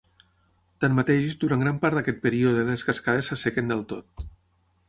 Tanmateix, durant gran part d'aquest període, les cascades s'assequen del tot.